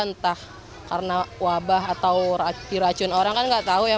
entah karena wabah atau diracun orang kan gak tau ya